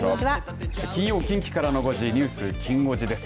金曜近畿からの５時ニュースきん５時です。